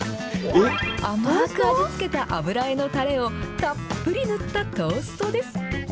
甘く味付けたあぶらえのタレをたっぷり塗ったトーストです。